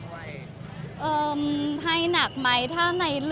มันเป็นปัญหาจัดการอะไรครับ